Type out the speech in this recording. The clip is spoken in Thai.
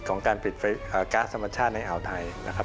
ของการปิดก๊าซธรรมชาติในอ่าวไทยนะครับ